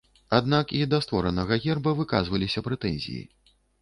Аднак і да створанага герба выказваліся прэтэнзіі.